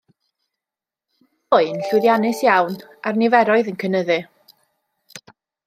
Mae'n löyn llwyddiannus iawn a'r niferoedd yn cynyddu.